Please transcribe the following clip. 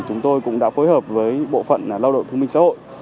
chúng tôi cũng đã phối hợp với bộ phận lao động thương minh xã hội